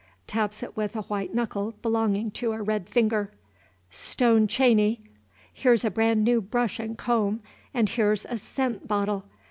(Taps it with a white knuckle belonging to a red finger.) "Stone chaney. Here's a bran' new brush and comb, and here's a scent bottle.